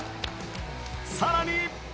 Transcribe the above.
さらに。